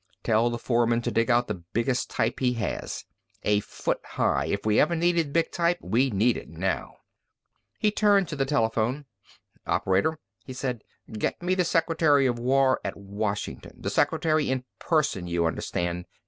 Tell the foreman to dig out the biggest type he has. A foot high. If we ever needed big type, we need it now!" He turned to the telephone. "Operator," he said, "get me the Secretary of War at Washington. The secretary in person, you understand.